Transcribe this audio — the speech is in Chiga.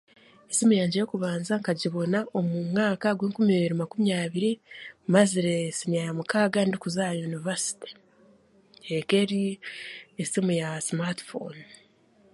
Esimu yangye y'okubanza nkagibona omu mwaka gw'enkumi ibiri makumi abiri mazire siniya ya mukaaga, ndikuza aha yunivasite ekaba eri esimu yaasimaati fooni